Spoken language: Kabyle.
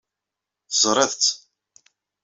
Terẓiḍ-tt.